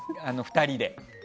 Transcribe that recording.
２人で。